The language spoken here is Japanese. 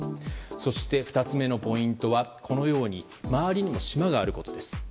そして、２つ目のポイントはこのように周りにも島があることです。